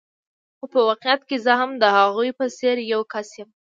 خو په واقعیت کې زه هم د هغوی په څېر یو کس یم.